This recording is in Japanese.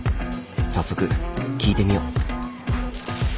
早速聞いてみよう。